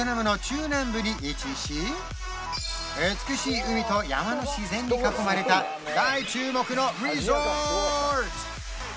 美しい海と山の自然に囲まれた大注目のリゾート